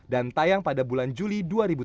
dan tayang pada bulan juli dua ribu tujuh belas